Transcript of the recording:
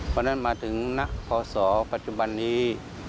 วันนั้นมาถึงณภศปัจจุบันนี้